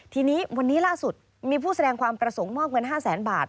ทีนี้วันนี้ล่าสุดมีผู้แสดงความประสงค์มอบเงิน๕แสนบาท